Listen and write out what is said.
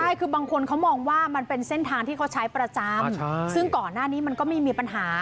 ใช่คือบางคนเขามองว่ามันเป็นเส้นทางที่เขาใช้ประจำซึ่งก่อนหน้านี้มันก็ไม่มีปัญหา